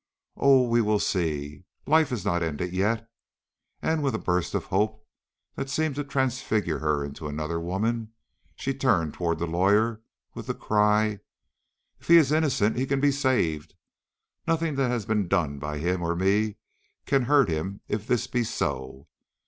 Oh, we will see; life is not ended yet!" And with a burst of hope that seemed to transfigure her into another woman, she turned toward the lawyer with the cry: "If he is innocent, he can be saved. Nothing that has been done by him or me can hurt him if this be so.